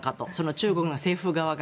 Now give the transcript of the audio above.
中国の政府側が。